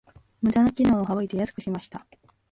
ムダな機能を省いて安くしました